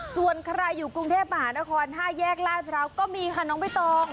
ส่วนใครอยู่กรุงเทพมหานคร๕แยกลาดพร้าวก็มีค่ะน้องใบตอง